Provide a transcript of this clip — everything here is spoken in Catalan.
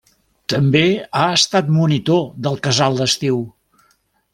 També ha estat monitor del casal d'estiu.